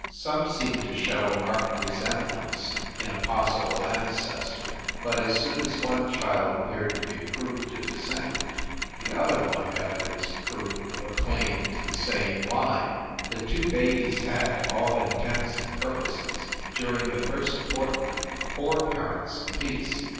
Some seemed to show a marked resemblance in a possible ancestor, THE BREWSTER MANSION 331 but as soon as one child appeared to be proved a descendant, the other one evidenced proof of a claim to the same line. The two babies had, to all intents and purposes, during the first fortnight, four parents apiece.